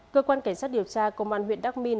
cơ quan cảnh sát điều tra công an huyện đắk nông